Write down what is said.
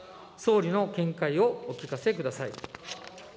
総理の見解をお聞かせください。